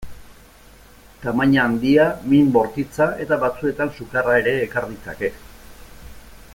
Tamaina handia, min bortitza eta batzuetan sukarra ere ekar ditzake.